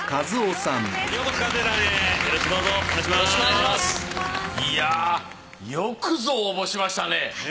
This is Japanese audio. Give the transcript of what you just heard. いやぁよくぞ応募しましたね。